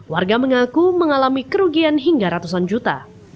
warga mengaku mengalami kerugian hingga ratusan juta